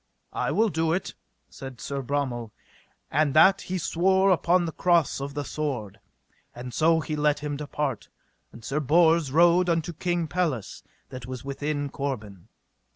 I will do it, said Sir Bromel, and that he sware upon the cross of the sword. And so he let him depart, and Sir Bors rode unto King Pelles, that was within Corbin.